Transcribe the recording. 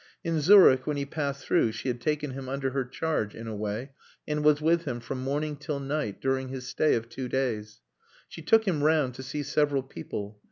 In Zurich when he passed through she had taken him under her charge, in a way, and was with him from morning till night during his stay of two days. She took him round to see several people.